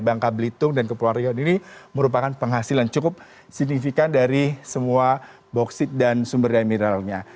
bangka belitung dan kepulauan rio ini merupakan penghasilan cukup signifikan dari semua boksit dan sumber daya mineralnya